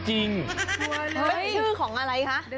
ไม่ได้ชื่อของอะไรคะ